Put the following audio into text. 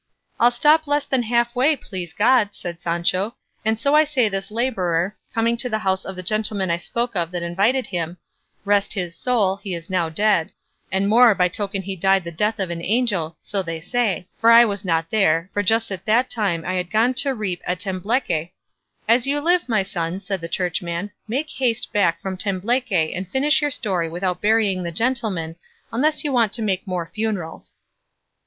"I'll stop less than half way, please God," said Sancho; "and so I say this labourer, coming to the house of the gentleman I spoke of that invited him rest his soul, he is now dead; and more by token he died the death of an angel, so they say; for I was not there, for just at that time I had gone to reap at Tembleque—" "As you live, my son," said the churchman, "make haste back from Tembleque, and finish your story without burying the gentleman, unless you want to make more funerals."